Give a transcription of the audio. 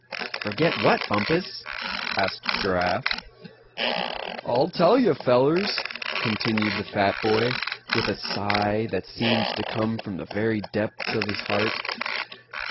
"Forget what, Bumpus?" asked Giraffe. "I'll tell you, fellers," continued the fat boy, with a sigh that seemed to come from the very depths of his heart.